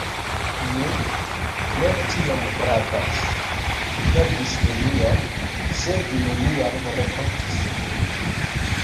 Nu, ne tiom gravas, vi perdis nenion se vi neniam renkontis lin.